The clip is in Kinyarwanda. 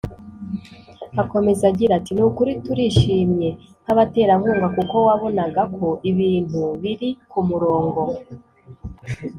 Akomeza agira ati “ Ni ukuri turishimye nk’abaterankunga kuko wabonaga ko ibintu biri ku murongo